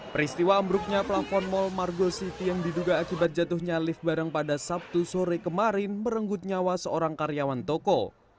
peristiwa ambruknya plafon mall margo city yang diduga akibat jatuhnya lift barang pada sabtu sore kemarin merenggut nyawa seorang karyawan toko